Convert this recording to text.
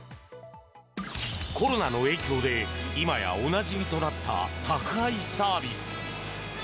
コロナの影響で、今やおなじみとなった宅配サービス。